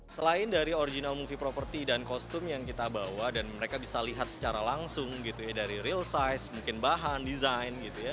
selain dari original movie properti dan kostum yang kita bawa dan mereka bisa lihat secara langsung dari real size mungkin bahan desain